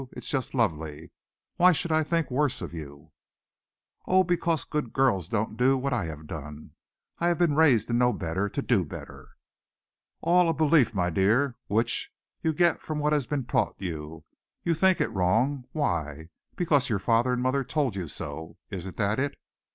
It's just lovely. Why should I think worse of you?" "Oh, because good girls don't do what I have done. I have been raised to know better to do better." "All a belief, my dear, which you get from what has been taught you. You think it wrong. Why? Because your father and mother told you so. Isn't that it?"